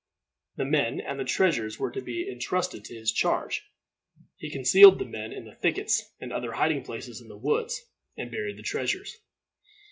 The men and the treasures were to be intrusted to his charge. He concealed the men in the thickets and other hiding places in the woods, and buried the treasures.